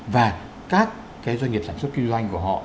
và các cái doanh nghiệp sản xuất kinh doanh của họ